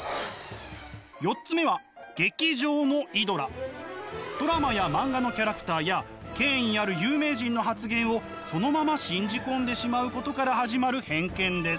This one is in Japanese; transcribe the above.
４つ目はドラマや漫画のキャラクターや権威ある有名人の発言をそのまま信じ込んでしまうことから始まる偏見です。